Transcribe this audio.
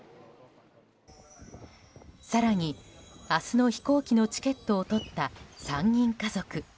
更に、明日の飛行機のチケットをとった３人家族。